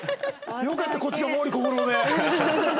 よかったこっちが毛利小五郎で。